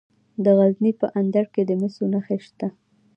د غزني په اندړ کې د مسو نښې شته.